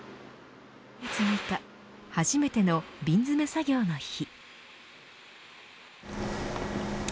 初めての瓶詰め作業の日。